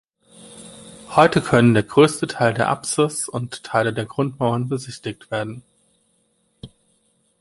Heute können der größte Teil der Apsis und Teile der Grundmauern besichtigt werden.